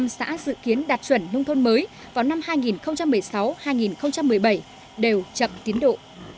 năm xã dự kiến đạt chuẩn nông thôn mới vào năm hai nghìn một mươi sáu hai nghìn một mươi bảy đều chậm tiến độ